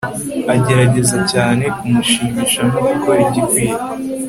agerageza cyane kumushimisha no gukora igikwiye